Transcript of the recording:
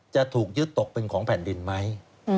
จะถูกยึดตกเป็นของแผ่นดินไหม